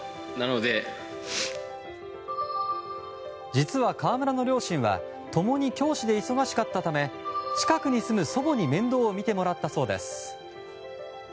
実は河村の両親は共に教師で忙しかったため近くに住む祖母に面倒を見てもらったそうです。